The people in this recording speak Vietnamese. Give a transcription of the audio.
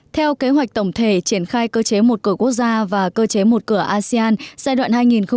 theo kế hoạch tổng thể triển khai cơ chế một cửa quốc gia và cơ chế một cửa asean giai đoạn hai nghìn một mươi sáu